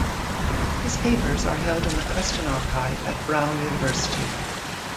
His papers are held in the Preston Archive at Brown University.